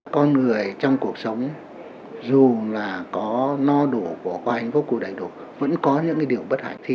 con người trong cuộc sống dù là có no đủ của hoa hành vô cùng đầy đủ vẫn có những điều bất hạnh